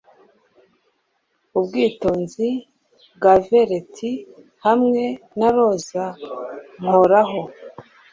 Ubwitonzi bwa veleti hamwe na roza nkoraho